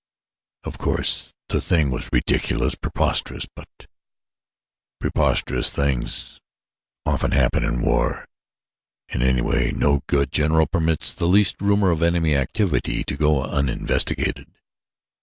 Of course the thing was ridiculous preposterous but preposterous things often happen in war; and anyway no good general permits the least rumor of enemy activity to go uninvestigated.